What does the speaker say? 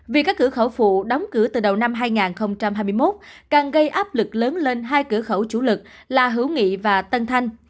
vì các cửa khẩu phụ đóng cửa từ đầu năm hai nghìn hai mươi một càng gây áp lực lớn lên hai cửa khẩu chủ lực là hữu nghị và tân thanh